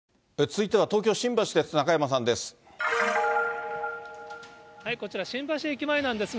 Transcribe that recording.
続いては東京・新橋です。